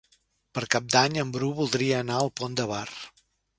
Per Cap d'Any en Bru voldria anar al Pont de Bar.